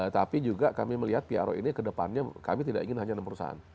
tapi juga kami melihat piaro ini kedepannya kami tidak ingin hanya enam perusahaan